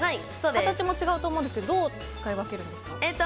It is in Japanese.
形も違うと思うんですがどう使い分けるんですか？